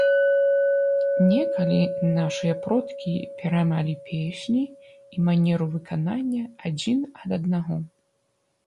Некалі нашыя продкі пераймалі песні і манеру выканання адзін ад аднаго.